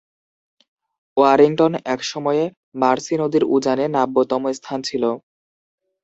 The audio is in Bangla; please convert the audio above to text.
ওয়ারিংটন একসময়ে মার্সি নদীর উজানে নাব্যতম স্থান ছিল।